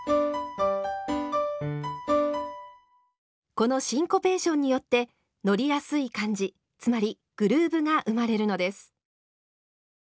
このシンコペーションによって乗りやすい感じつまりグルーブが生まれるのです。